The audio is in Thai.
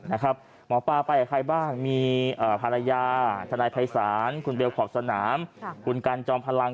หมอปลาไปกับใครบ้างมีภรรยาทนายภัยศาลคุณเบลขอบสนามคุณกันจอมพลัง